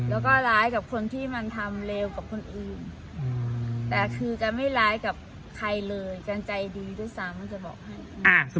แล้วก็ร้ายกับคนที่มันทำเลวกับคนอื่นแต่คือแกไม่ร้ายกับใครเลยแกใจดีด้วยซ้ำแกบอกให้